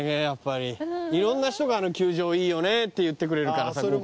やっぱり色んな人があの球場いいよねって言ってくれるからさ